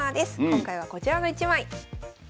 今回はこちらの１枚。